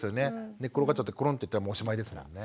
寝っ転がっちゃってコロンッていったらもうおしまいですもんね。